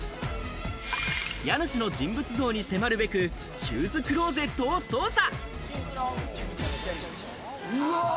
家主の人物像に迫るべく、シューズクローゼットを捜査。